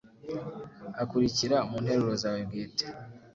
akurikira mu nteruro zawe bwite